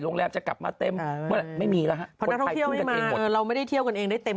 โรงแรมจะกลับมาเต็มไม่มีแล้วฮะเพราะนักท่องเที่ยวไม่มาเราไม่ได้เที่ยวกันเองได้เต็ม